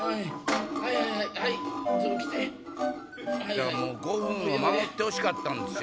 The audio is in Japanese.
だから５分を守ってほしかったんですよ。